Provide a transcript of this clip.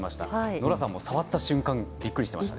ノラさんも触った瞬間にびっくりしていましたね。